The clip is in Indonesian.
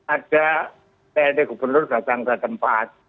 ada plt gubernur datang ke tempat